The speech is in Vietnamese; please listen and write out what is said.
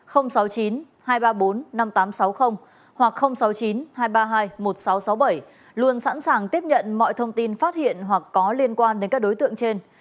hoặc sáu mươi chín hai trăm ba mươi hai một nghìn sáu trăm sáu mươi bảy luôn sẵn sàng tiếp nhận mọi thông tin phát hiện hoặc có liên quan đến các đối tượng trên